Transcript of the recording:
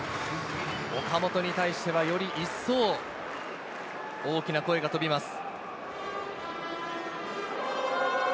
岡本に対してはより一層大きな声が飛びます。